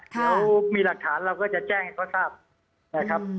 เดี๋ยวมีหลักฐานเราก็จะแจ้งให้เขาทราบนะครับ